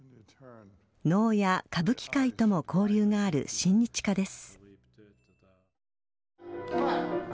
能や歌舞伎界とも交流化のある親日家です。